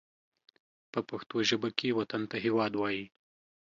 په پښتو ژبه کې وطن ته هېواد وايي